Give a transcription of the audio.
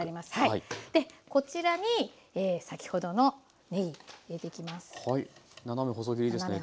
こちらに先ほどのねぎ入れていきます。